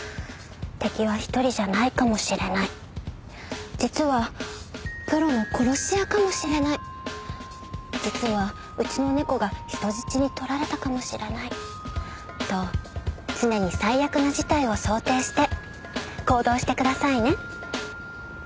敵は一人じゃないかもしれない実はプロの殺し屋かもしれない実はうちの猫が人質に取られたかもしれないと常に最悪な事態を想定して行動してくださいね。